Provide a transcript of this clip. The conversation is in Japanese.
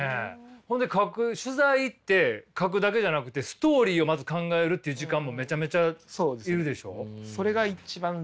ほんで描く取材行って描くだけじゃなくてストーリーをまず考えるっていう時間もめちゃめちゃ要るでしょう？